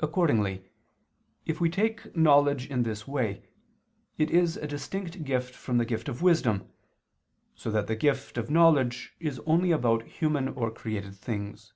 Accordingly, if we take knowledge in this way, it is a distinct gift from the gift of wisdom, so that the gift of knowledge is only about human or created things.